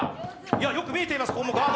よく見えています、ここも、ガード。